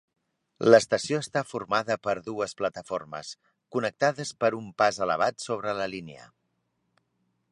L"estació està formada per dues plataformes, connectades per un pas elevat sobre la línia.